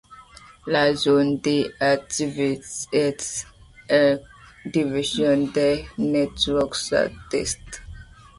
La zone d'activité était l'ancienne division de Network SouthEast.